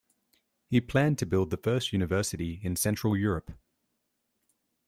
He planned to build the first university in Central Europe.